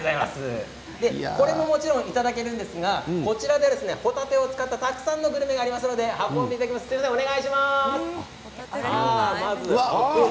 これも、もちろんいただけるんですが、こちらではホタテを使ったたくさんのグルメがありますのでお願いします。